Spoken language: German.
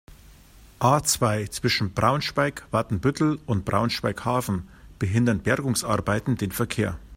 A-zwei, zwischen Braunschweig-Watenbüttel und Braunschweig-Hafen behindern Bergungsarbeiten den Verkehr.